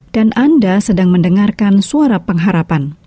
dan anda sedang mendengarkan suara pengharapan